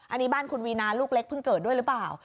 อันนี้บ้านคุณวีนาลูกเล็กเพิ่งเกิดด้วยหรือเปล่า